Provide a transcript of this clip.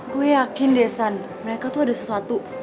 gue yakin deh san mereka tuh ada sesuatu